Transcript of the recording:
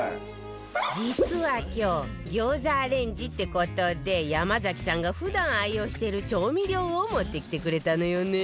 実は今日餃子アレンジって事で山崎さんが普段愛用している調味料を持ってきてくれたのよね